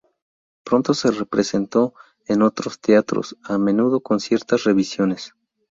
Pronto se representó en otros teatros, a menudo con ciertas revisiones.